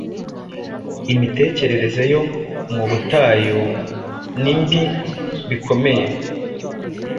Imitekerereze yo mu butayu nimbi bikomeye